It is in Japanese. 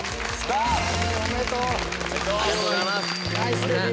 ありがとうございます。